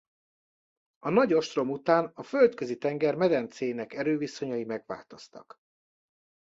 A Nagy ostrom után a Földközi-tenger medencéjének erőviszonyai megváltoztak.